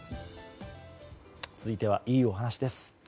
続いてはいいお話です。